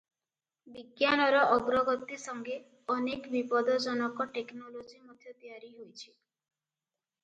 ବିଜ୍ଞାନର ଅଗ୍ରଗତି ସଙ୍ଗେ ଅନେକ ବିପଦଜନକ ଟେକନୋଲୋଜି ମଧ୍ୟ ତିଆରି ହୋଇଛି ।